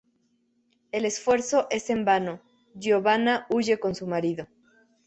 El esfuerzo es en vano: Giovanna huye con su marido.